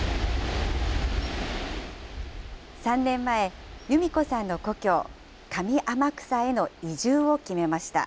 ３年前、裕美子さんの故郷、上天草への移住を決めました。